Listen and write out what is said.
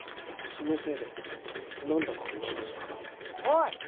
そのせいで何だか上の空だおい。